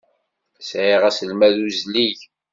Sɛiɣ aselmad uslig.